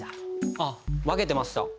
あっ分けてました。